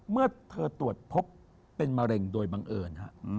เมื่อเธอตรวจพบเป็นมะเร็งโดยบังเอิญ